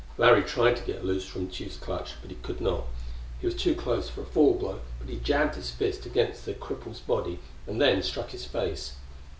Larry tried to get loose from Tugh's clutch, but could not. He was too close for a full blow, but he jabbed his fist against the cripple's body, and then struck his face.